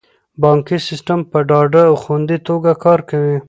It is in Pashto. بانکي سیستم په ډاډه او خوندي توګه کار کوي.